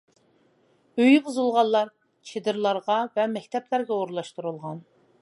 ئۆيى بۇزۇلغانلار چېدىرلارغا ۋە مەكتەپلەرگە ئورۇنلاشتۇرۇلغان.